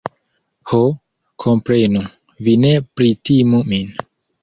Ho, komprenu, vi ne pritimu min.